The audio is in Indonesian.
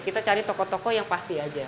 kita cari toko toko yang pasti aja